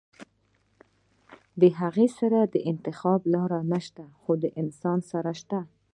د هغه سره د انتخاب لارې نشته خو د انسان سره شته -